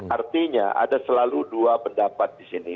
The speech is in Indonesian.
artinya ada selalu dua pendapat disini